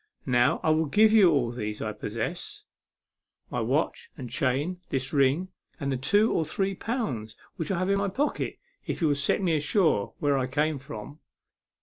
Now, I will give you all that I possess my watch and chain, this ring, and the two or three pounds which I have in my pocket if you will set me ashore where I came from."